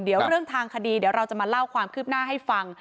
เดี๋ยวเรื่องทางคดีเดี๋ยวเราจะมาเล่าความคืบหน้าให้ฟัง